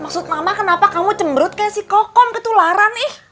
maksud mama kenapa kamu cembrut kayak si kokom ketularan eh